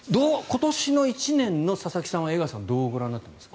今年の１年の佐々木さんは江川さんはどうご覧になってますか。